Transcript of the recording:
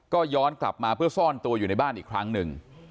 ก็ย้อนกลับมาเพื่อซ่อนตัวอยู่ในบ้านอีกครั้งหนึ่ง